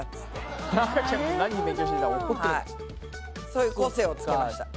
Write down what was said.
そういう個性をつけました。